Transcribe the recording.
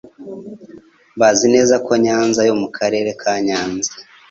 bazi neza ko Nyanza yo mu Karere ka Nyanza